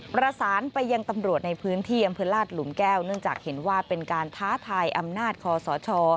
ประสานไปยังตำรวจในพื้นที่อำเภอลาดหลุมแก้วเนื่องจากเห็นว่าเป็นการท้าทายอำนาจคอสช